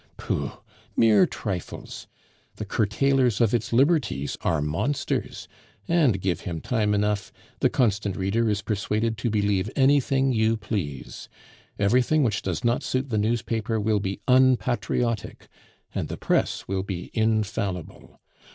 Pooh! mere trifles; the curtailers of its liberties are monsters; and give him time enough, the constant reader is persuaded to believe anything you please. Everything which does not suit the newspaper will be unpatriotic, and the press will be infallible.